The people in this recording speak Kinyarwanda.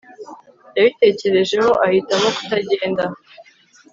yabitekerejeho ahitamo kutagenda